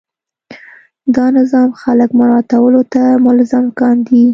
دا نظام خلک مراعاتولو ته ملزم کاندي.